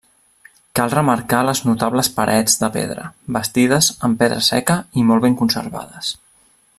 Cal remarcar les notables parets de pedra, bastides amb pedra seca i molt ben conservades.